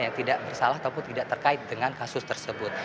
yang tidak bersalah ataupun tidak terkait dengan kasus tersebut